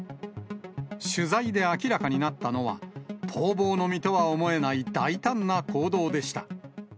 取材で明らかになったのは、逃亡の身とは思えない大胆な行動でした。